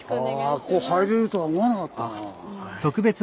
わあここ入れるとは思わなかったな。